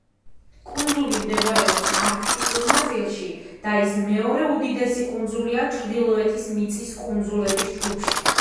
კუნძული მდებარეობს არქტიკულ ნაწილში და ის მეორე უდიდესი კუნძულია ჩრდილოეთის მიწის კუნძულების ჯგუფში.